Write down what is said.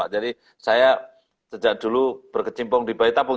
jadi saya sejak dulu berkecimpung di bayi tabung